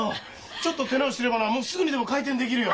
ちょっと手直しすればなもうすぐにでも開店できるよ。